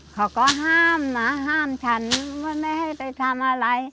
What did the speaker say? เขาก็ห้ามนะห้ามฉันว่าไม่ให้ไปทำอะไร